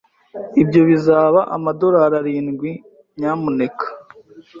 Ibyo bizaba amadorari arindwi, nyamuneka.